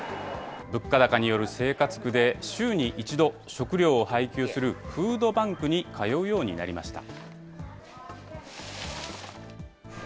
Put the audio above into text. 物価高による生活苦で週に１度、食料を配給するフードバンクに通うようになりました。